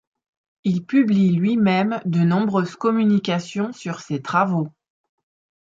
Il publie lui-même de nombreuses communications sur ses travaux.